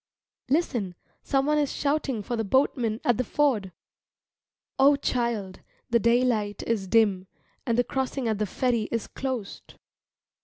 Listen, someone is shouting for the boatman at the ford. O child, the daylight is dim, and the crossing at the ferry is closed.